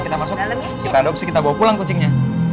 kita masuk kita adopsi kita bawa pulang kucingnya